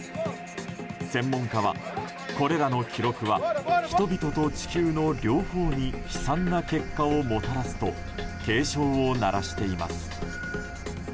専門家は、これらの記録は人々と地球の両方に悲惨な結果をもたらすと警鐘を鳴らしています。